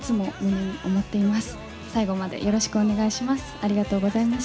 最後までよろしくお願いします。